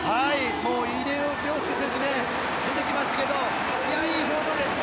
入江陵介選手出てきましたがいい表情です。